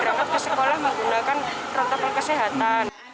yang kedua anak anak tetap keluar apa